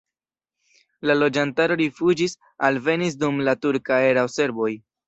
La loĝantaro rifuĝis, alvenis dum la turka erao serboj.